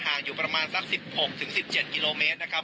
อยู่ประมาณสัก๑๖๑๗กิโลเมตรนะครับ